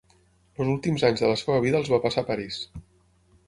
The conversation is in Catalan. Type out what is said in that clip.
Els últims anys de la seva vida els va passar a París.